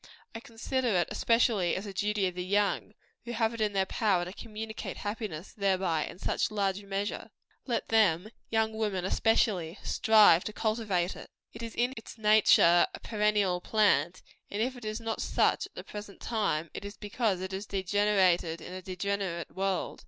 I consider it especially as a duty of the young, who have it in their power to communicate happiness thereby in such large measure. Let them let young women especially strive to cultivate it. It is in its nature a perennial plant; and if it is not such at the present time, it is because it has degenerated in a degenerate world.